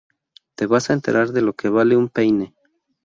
Te vas a enterar de lo que vale un peine